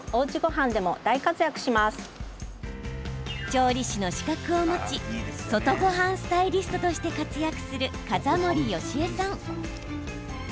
調理師の資格を持ち外ごはんスタイリストとして活躍する風森美絵さん。